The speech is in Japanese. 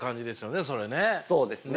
そうですね。